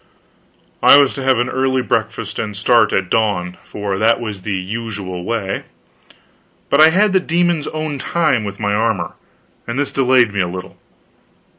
I was to have an early breakfast, and start at dawn, for that was the usual way; but I had the demon's own time with my armor, and this delayed me a little.